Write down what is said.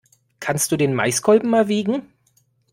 Kannst du den Maiskolben mal wiegen?